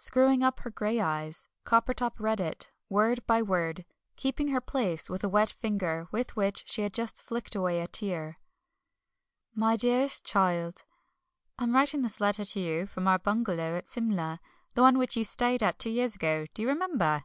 Screwing up her grey eyes, Coppertop read it, word by word, keeping her place with a wet finger with which she had just flicked away a tear: My Dearest Child, I am writing this letter to you from our bungalow at Simla the one in which you stayed two years ago do you remember?